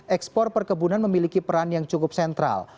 ekspor perkebunan memiliki peran yang cukup sentral